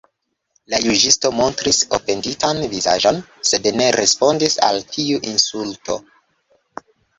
La juĝisto montris ofenditan vizaĝon, sed ne respondis al tiu insulto.